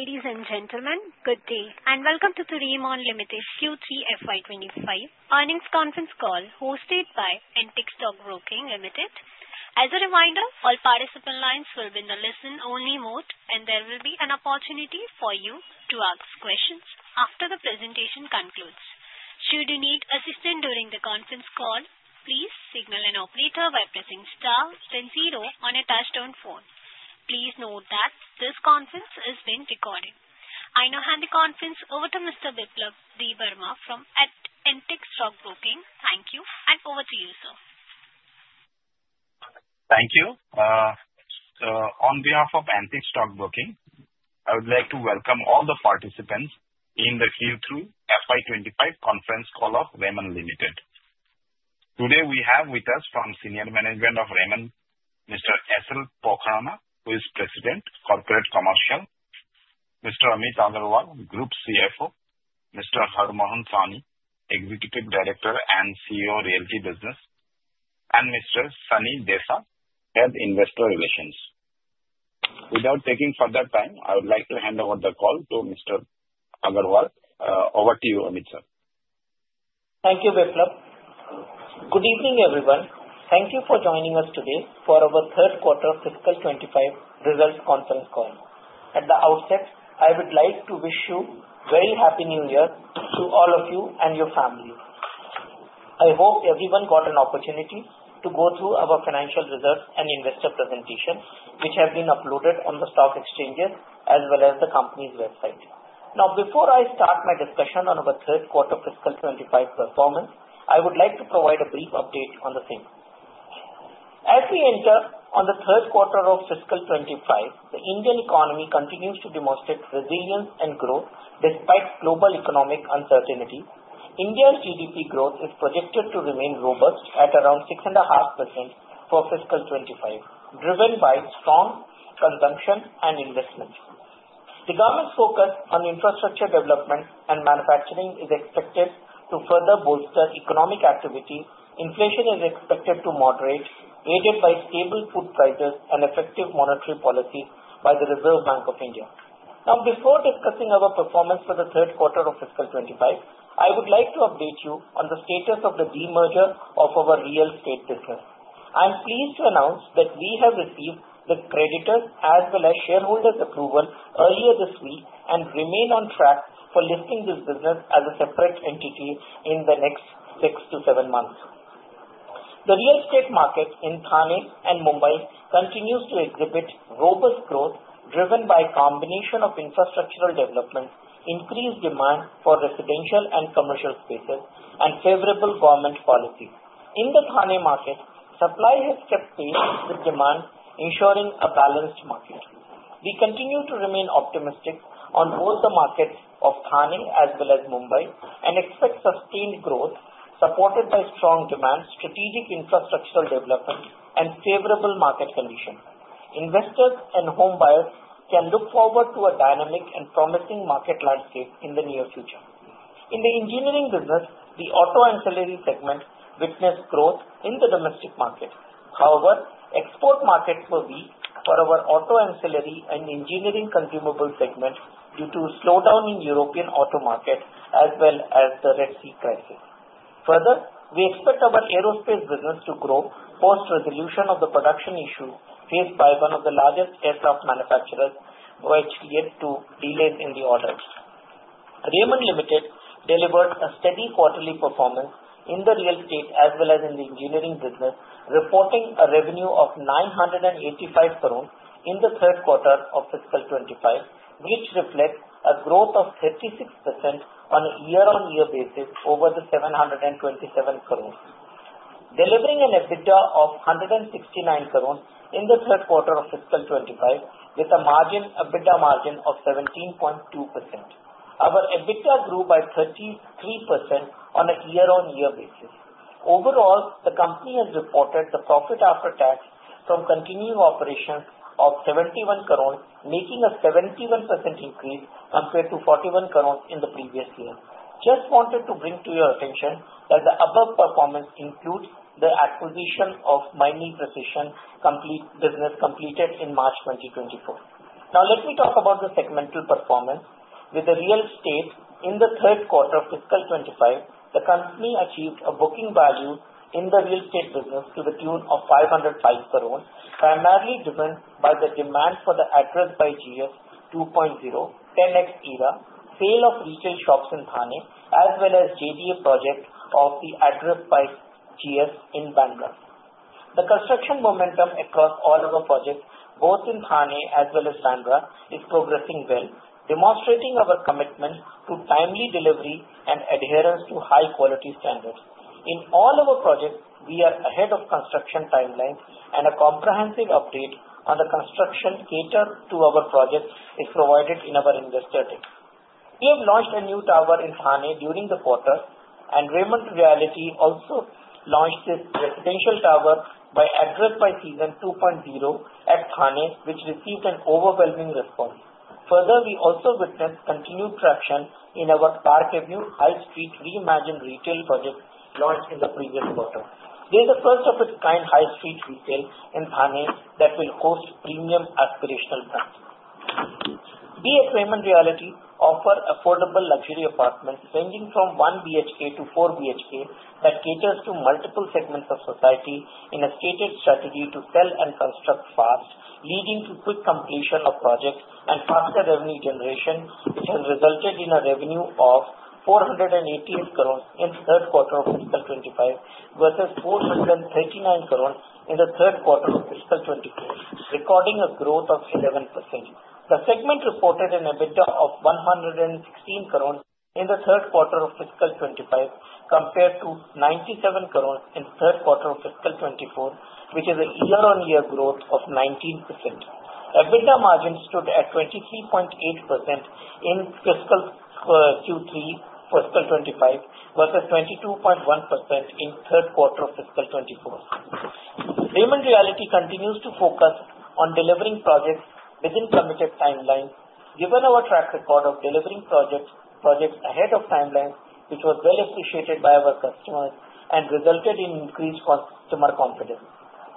Ladies and gentlemen, good day and welcome to Raymond Limited Q3 FY 2025 earnings conference call hosted by Antique Stock Broking Limited. As a reminder, all participant lines will be in the listen-only mode, and there will be an opportunity for you to ask questions after the presentation concludes. Should you need assistance during the conference call, please signal an operator by pressing star then zero on a touch-tone phone. Please note that this conference is being recorded. I now hand the conference over to Mr. Biplab Debbarma from Antique Stock Broking. Thank you, and over to you, sir. Thank you. So on behalf of Antique Stock Broking, I would like to welcome all the participants in the Q3 FY 2025 conference call of Raymond Limited. Today we have with us from senior management of Raymond, Mr. S.L. Pokharna, who is President, Corporate Commercial; Mr. Amit Agarwal, Group CFO; Mr. Harmohan Sahni, Executive Director and CEO, Realty business; and Mr. Sunny Dhesa, Head Investor Relations. Without taking further time, I would like to hand over the call to Mr. Agarwal. Over to you, Amit sir. Thank you, Biplab. Good evening, everyone. Thank you for joining us today for our third quarter fiscal 25 results conference call. At the outset, I would like to wish you a very happy new year to all of you and your family. I hope everyone got an opportunity to go through our financial results and investor presentation, which have been uploaded on the stock exchanges as well as the company's website. Now, before I start my discussion on our third quarter fiscal 25 performance, I would like to provide a brief update on the same. As we enter on the third quarter of fiscal 25, the Indian economy continues to demonstrate resilience and growth despite global economic uncertainty. India's GDP growth is projected to remain robust at around 6.5% for fiscal 25, driven by strong consumption and investment. The government's focus on infrastructure development and manufacturing is expected to further bolster economic activity. Inflation is expected to moderate, aided by stable food prices and effective monetary policy by the Reserve Bank of India. Now, before discussing our performance for the third quarter of Fiscal 25, I would like to update you on the status of the demerger of our real estate business. I'm pleased to announce that we have received the creditors' as well as shareholders' approval earlier this week and remain on track for listing this business as a separate entity in the next six to seven months. The real estate market in Thane and Mumbai continues to exhibit robust growth, driven by a combination of infrastructural development, increased demand for residential and commercial spaces, and favorable government policies. In the Thane market, supply has kept pace with demand, ensuring a balanced market. We continue to remain optimistic on both the markets of Thane as well as Mumbai and expect sustained growth supported by strong demand, strategic infrastructural development, and favorable market conditions. Investors and home buyers can look forward to a dynamic and promising market landscape in the near future. In the engineering business, the auto ancillary segment witnessed growth in the domestic market. However, export markets were weak for our auto ancillary and engineering consumable segment due to a slowdown in the European auto market as well as the Red Sea crisis. Further, we expect our aerospace business to grow post-resolution of the production issue faced by one of the largest aircraft manufacturers, which led to delays in the orders. Raymond Limited delivered a steady quarterly performance in the real estate as well as in the engineering business, reporting a revenue of 985 crore in the third quarter of Fiscal 25, which reflects a growth of 36% on a year-on-year basis over the 727 crore, delivering an EBITDA of 169 crore in the third quarter of Fiscal 25 with a margin, EBITDA margin of 17.2%. Our EBITDA grew by 33% on a year-on-year basis. Overall, the company has reported the profit after tax from continuing operations of 71 crore, making a 71% increase compared to 41 crore in the previous year. Just wanted to bring to your attention that the above performance includes the acquisition of Maini Precision Products, completed in March 2024. Now, let me talk about the segmental performance. With the real estate in the third quarter of fiscal 25, the company achieved a booking value in the real estate business to the tune of 505 crore, primarily driven by the demand for the Address by GS 2.0, Ten X Era, sale of retail shops in Thane, as well as JDA project of the Address by GS in Bandra. The construction momentum across all our projects, both in Thane as well as Bandra, is progressing well, demonstrating our commitment to timely delivery and adherence to high-quality standards. In all our projects, we are ahead of construction timelines, and a comprehensive update on the construction status of our projects is provided in our investor deck. We have launched a new tower in Thane during the quarter, and Raymond Realty also launched this residential tower by Address by GS 2.0 at Thane, which received an overwhelming response. Further, we also witnessed continued traction in our Park Avenue High Street reimagined retail project launched in the previous quarter. They are the first of its kind, High Street retail in Thane, that will host premium aspirational brands. We at Raymond Realty offer affordable luxury apartments ranging from 1 BHK to 4 BHK that caters to multiple segments of society in a stated strategy to sell and construct fast, leading to quick completion of projects and faster revenue generation, which has resulted in a revenue of INR 488 crore in the third quarter of fiscal 25 versus INR 439 crore in the third quarter of fiscal 24, recording a growth of 11%. The segment reported an EBITDA of 116 crore in the third quarter of fiscal 25 compared to 97 crore in the third quarter of fiscal 24, which is a year-on-year growth of 19%. EBITDA margin stood at 23.8% in fiscal Q3 fiscal 25 versus 22.1% in the third quarter of fiscal 24. Raymond Realty continues to focus on delivering projects within committed timelines. Given our track record of delivering projects ahead of timelines, which was well appreciated by our customers and resulted in increased customer confidence,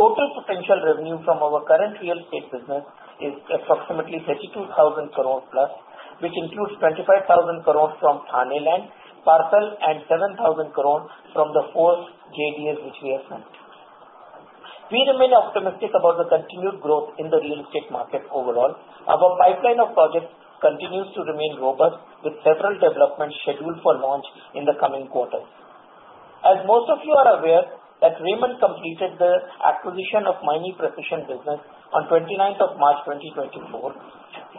total potential revenue from our current real estate business is approximately 32,000 crore plus, which includes 25,000 crore from Thane land parcel and 7,000 crore from the four JDAs which we have sent. We remain optimistic about the continued growth in the real estate market overall. Our pipeline of projects continues to remain robust, with several developments scheduled for launch in the coming quarter. As most of you are aware, Raymond completed the acquisition of Maini Precision Products on 29th of March 2024.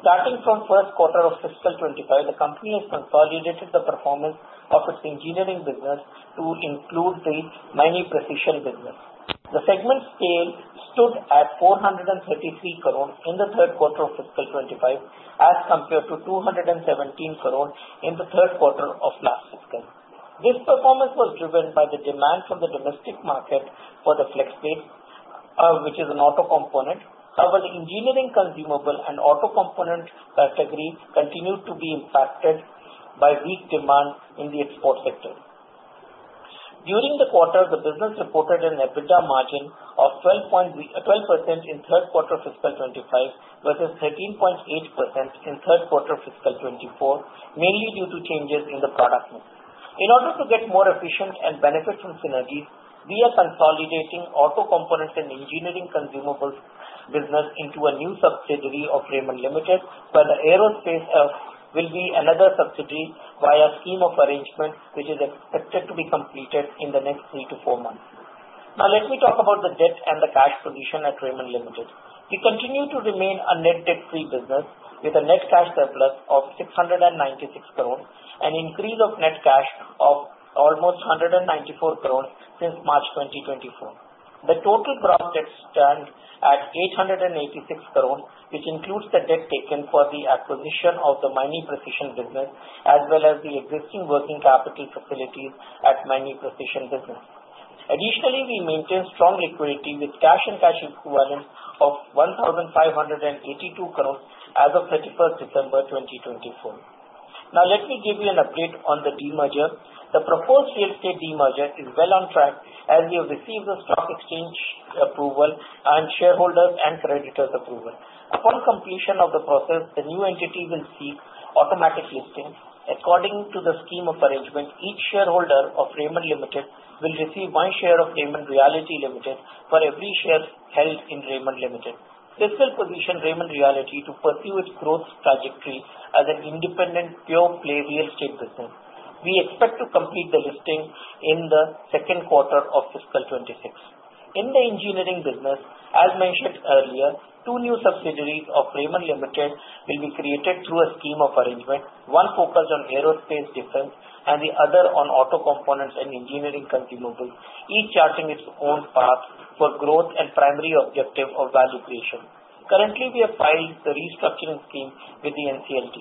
Starting from the first quarter of fiscal 25, the company has consolidated the performance of its engineering business to include the Maini Precision Products. The segment sales stood at 433 crore in the third quarter of fiscal 25 as compared to 217 crore in the third quarter of last fiscal. This performance was driven by the demand from the domestic market for the flexplates, which is an auto component. However, the engineering consumables and auto component category continued to be impacted by weak demand in the export sector. During the quarter, the business reported an EBITDA margin of 12% in the third quarter of fiscal 25 versus 13.8% in the third quarter of fiscal 24, mainly due to changes in the product mix. In order to get more efficient and benefit from synergies, we are consolidating auto components and engineering consumables business into a new subsidiary of Raymond Limited, where the aerospace will be another subsidiary via a scheme of arrangement which is expected to be completed in the next three to four months. Now, let me talk about the debt and the cash position at Raymond Limited. We continue to remain a net debt-free business with a net cash surplus of 696 crore and an increase of net cash of almost 194 crore since March 2024. The total gross debt stands at 886 crore, which includes the debt taken for the acquisition of the Maini Precision Products business as well as the existing working capital facilities at Maini Precision Products business. Additionally, we maintain strong liquidity with cash and cash equivalents of 1,582 crore as of 31st December 2024. Now, let me give you an update on the demerger. The proposed real estate demerger is well on track as we have received the stock exchange approval and shareholders' and creditors' approval. Upon completion of the process, the new entity will seek automatic listing. According to the scheme of arrangement, each shareholder of Raymond Limited will receive one share of Raymond Realty Limited for every share held in Raymond Limited. This will position Raymond Realty to pursue its growth trajectory as an independent, pure-play real estate business. We expect to complete the listing in the second quarter of Fiscal 26. In the engineering business, as mentioned earlier, two new subsidiaries of Raymond Limited will be created through a scheme of arrangement, one focused on aerospace defense and the other on auto components and engineering consumables, each charting its own path for growth and primary objective of value creation. Currently, we have filed the restructuring scheme with the NCLT.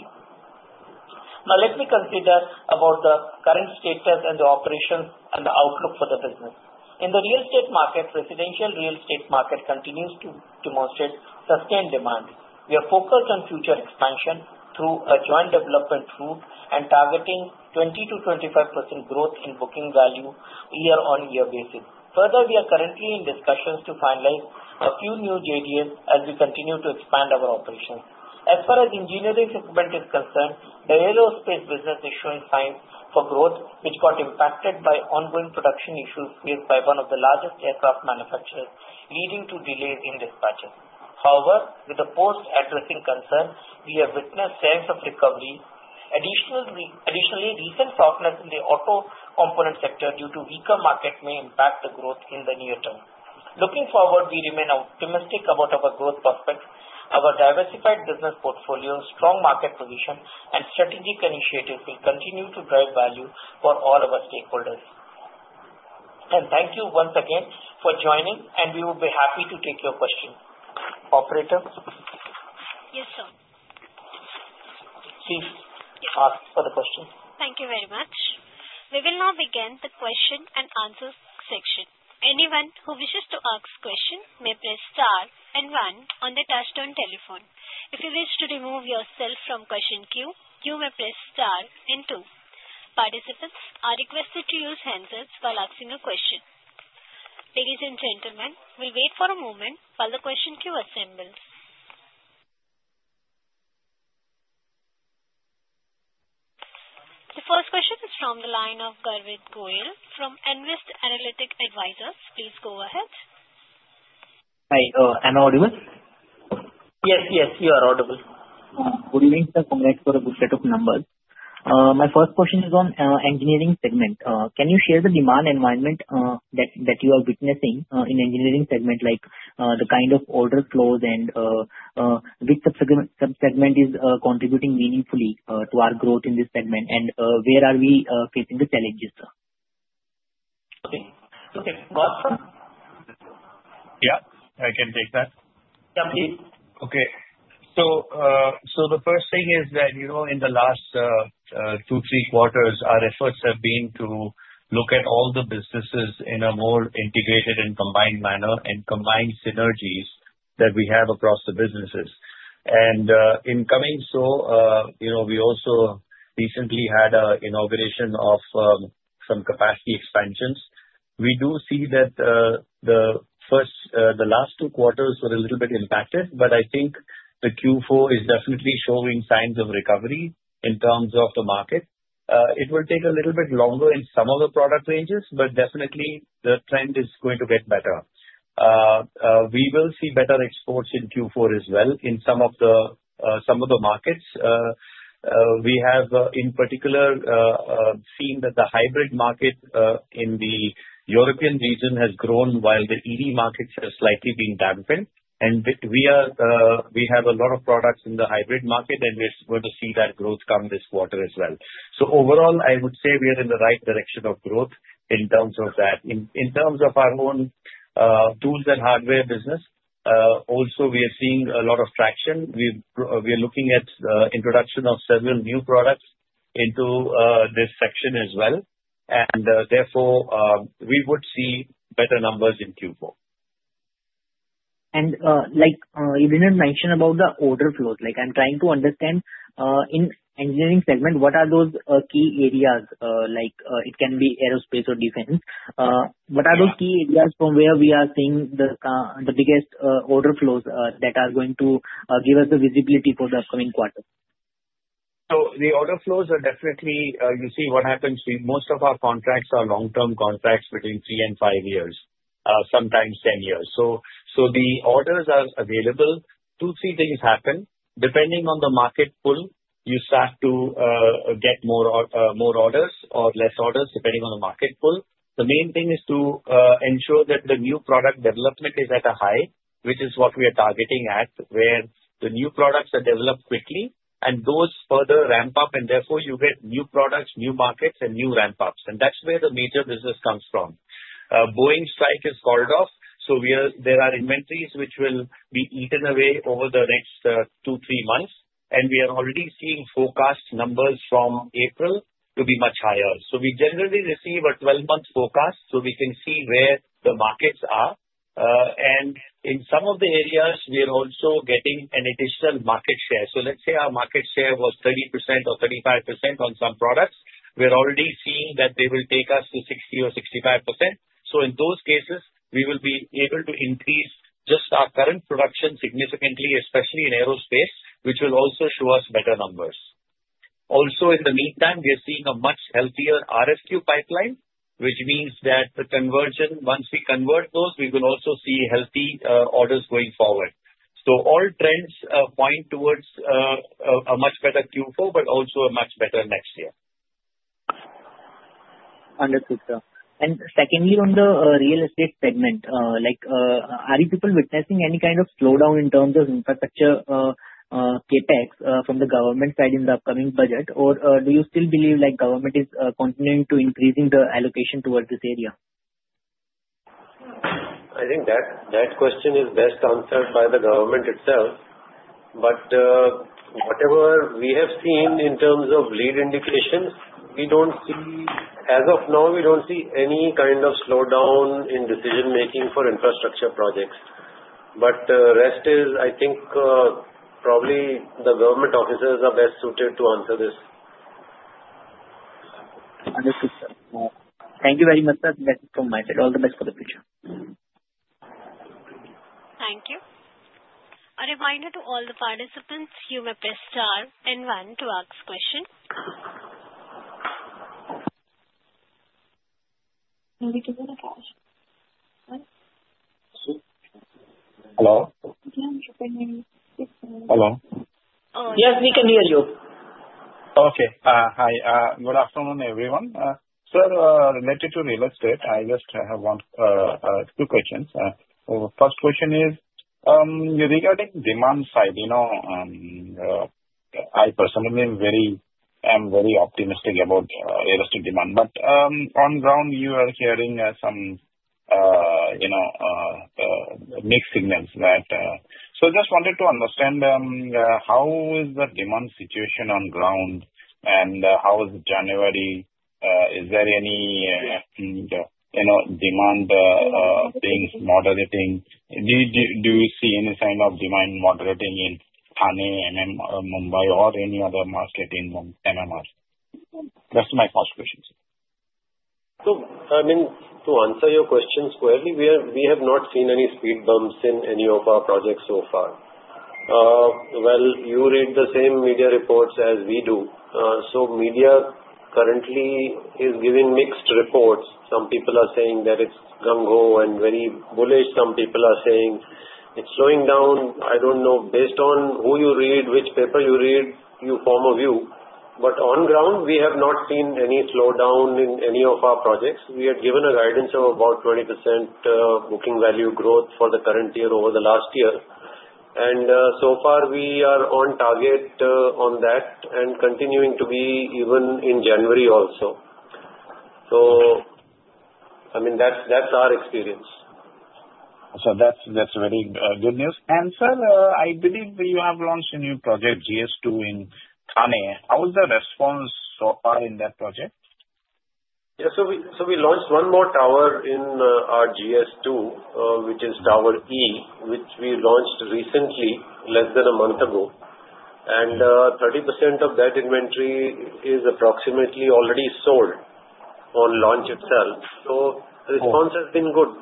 Now, let me consider about the current status and the operations and the outlook for the business. In the real estate market, residential real estate market continues to demonstrate sustained demand. We are focused on future expansion through a joint development route and targeting 20%-25% growth in booking value year-on-year basis. Further, we are currently in discussions to finalize a few new JDAs as we continue to expand our operations. As far as engineering segment is concerned, the aerospace business is showing signs for growth, which got impacted by ongoing production issues faced by one of the largest aircraft manufacturers, leading to delays in dispatches. However, with the post-addressing concern, we have witnessed signs of recovery. Additionally, recent softness in the auto component sector due to weaker market may impact the growth in the near term. Looking forward, we remain optimistic about our growth prospects. Our diversified business portfolio, strong market position, and strategic initiatives will continue to drive value for all of our stakeholders. And thank you once again for joining, and we will be happy to take your questions. Operator? Yes, sir. Please ask for the question. Thank you very much. We will now begin the question and answer section. Anyone who wishes to ask a question may press star and one on the touch-tone telephone. If you wish to remove yourself from the question queue, you may press star and two. Participants are requested to use the handset while asking a question. Ladies and gentlemen, we'll wait for a moment while the question queue assembles. The first question is from the line of Garvit Goyal from Nvest Analytics. Please go ahead. Hi, am I audible? Yes, yes, you are audible. Good evening, sir. Coming back for a good set of numbers. My first question is on engineering segment. Can you share the demand environment that you are witnessing in engineering segment, like the kind of order flows and which subsegment is contributing meaningfully to our growth in this segment, and where are we facing the challenges? Okay, okay. Yeah, I can take that. Yeah, please. Okay. So the first thing is that in the last two, three quarters, our efforts have been to look at all the businesses in a more integrated and combined manner and combined synergies that we have across the businesses. And in doing so, we also recently had an inauguration of some capacity expansions. We do see that the last two quarters were a little bit impacted, but I think the Q4 is definitely showing signs of recovery in terms of the market. It will take a little bit longer in some of the product ranges, but definitely the trend is going to get better. We will see better exports in Q4 as well in some of the markets. We have, in particular, seen that the hybrid market in the European region has grown while the EV markets have slightly been dampened. And we have a lot of products in the hybrid market, and we're going to see that growth come this quarter as well. So overall, I would say we are in the right direction of growth in terms of that. In terms of our own tools and hardware business, also, we are seeing a lot of traction. We are looking at the introduction of several new products into this section as well. And therefore, we would see better numbers in Q4. And you didn't mention about the order flows. I'm trying to understand in engineering segment, what are those key areas? It can be Aerospace or Defense. What are those key areas from where we are seeing the biggest order flows that are going to give us the visibility for the upcoming quarter? So the order flows are definitely you see what happens. Most of our contracts are long-term contracts between three and five years, sometimes 10 years. So the orders are available. Two, three things happen. Depending on the market pull, you start to get more orders or less orders depending on the market pull. The main thing is to ensure that the new product development is at a high, which is what we are targeting at, where the new products are developed quickly and those further ramp up. And therefore, you get new products, new markets, and new ramp-ups. And that's where the major business comes from. Boeing strike is called off, so there are inventories which will be eaten away over the next two, three months, and we are already seeing forecast numbers from April to be much higher, so we generally receive a 12-month forecast so we can see where the markets are, and in some of the areas, we are also getting an additional market share, so let's say our market share was 30% or 35% on some products. We're already seeing that they will take us to 60% or 65%, so in those cases, we will be able to increase just our current production significantly, especially in aerospace, which will also show us better numbers. Also, in the meantime, we are seeing a much healthier RFQ pipeline, which means that the conversion, once we convert those, we will also see healthy orders going forward. So all trends point towards a much better Q4, but also a much better next year. Understood, sir. And secondly, on the real estate segment, are you people witnessing any kind of slowdown in terms of infrastructure CapEx from the government side in the upcoming budget, or do you still believe government is continuing to increase the allocation towards this area? I think that question is best answered by the government itself. But whatever we have seen in terms of lead indications, as of now, we don't see any kind of slowdown in decision-making for infrastructure projects. But the rest is, I think, probably the government officers are best suited to answer this. Understood, sir. Thank you very much, sir. This is from my side. All the best for the future. Thank you. A reminder to all the participants, you may press star and one to ask questions. Hello? Hello. Yes, we can hear you. Okay. Hi. Good afternoon, everyone. Sir, related to real estate, I just have two questions. First question is regarding demand side. I personally am very optimistic about real estate demand. But on ground, you are hearing some mixed signals. So I just wanted to understand how is the demand situation on ground and how is January? Is there any demand things moderating? Do you see any sign of demand moderating in Thane, MMR, Mumbai, or any other market in MMR? That's my first question. So I mean, to answer your questions clearly, we have not seen any speed bumps in any of our projects so far. Well, you read the same media reports as we do. So media currently is giving mixed reports. Some people are saying that it's gung ho and very bullish. Some people are saying it's slowing down. I don't know. Based on who you read, which paper you read, you form a view, but on ground, we have not seen any slowdown in any of our projects. We had given a guidance of about 20% booking value growth for the current year over the last year, and so far, we are on target on that and continuing to be even in January also, so I mean, that's our experience. So that's very good news. And sir, I believe you have launched a new project, GS2 in Thane. How is the response so far in that project? Yeah, so we launched one more tower in our GS2, which is Tower E, which we launched recently, less than a month ago, and 30% of that inventory is approximately already sold on launch itself, so the response has been good.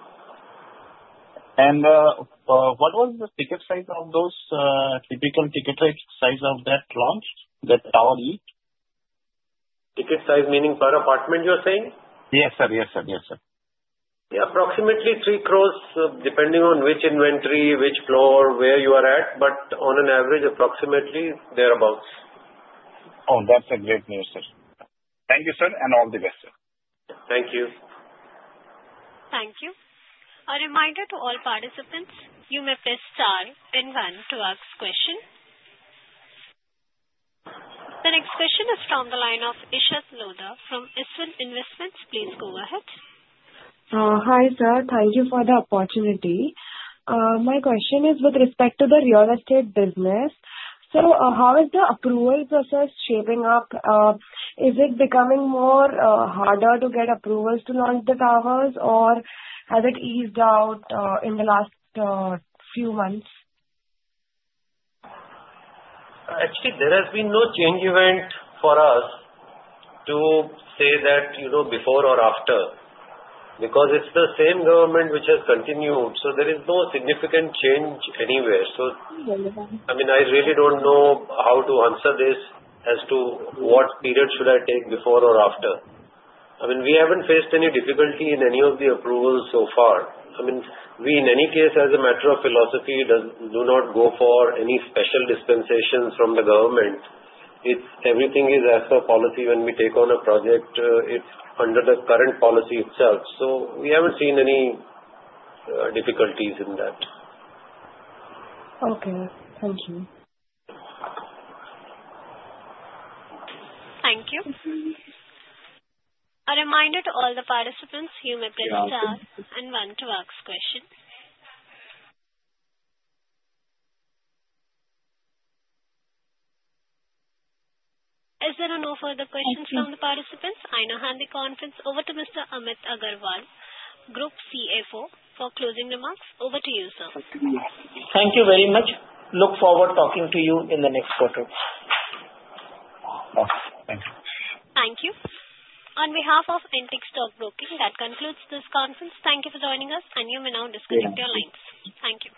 What was the ticket size of those typical ticket size of that launch, that Tower E? Ticket size, meaning per apartment, you're saying? Yes, sir. Yes, sir. Yes, sir. Yeah, approximately 3 crore, depending on which inventory, which floor, where you are at. But on an average, approximately thereabouts. Oh, that's a great news, sir. Thank you, sir, and all the best, sir. Thank you. Thank you. A reminder to all participants, you may press star and one to ask question. The next question is from the line of Ishita Lodha from SVAN Investments. Please go ahead. Hi, sir. Thank you for the opportunity. My question is with respect to the real estate business. So how is the approval process shaping up? Is it becoming more harder to get approvals to launch the towers, or has it eased out in the last few months? Actually, there has been no change event for us to say that before or after because it's the same government which has continued. So there is no significant change anywhere. So I mean, I really don't know how to answer this as to what period should I take before or after. I mean, we haven't faced any difficulty in any of the approvals so far. I mean, we in any case, as a matter of philosophy, do not go for any special dispensations from the government. Everything is as per policy. When we take on a project, it's under the current policy itself. So we haven't seen any difficulties in that. Okay. Thank you. Thank you. A reminder to all the participants, you may press star and one to ask question. Is there no further questions from the participants? I now hand the conference over to Mr. Amit Agarwal, Group CFO, for closing remarks. Over to you, sir. Thank you very much. Look forward to talking to you in the next quarter. Thank you. Thank you. On behalf of Antique Stock Broking, that concludes this conference. Thank you for joining us, and you may now disconnect your lines. Thank you.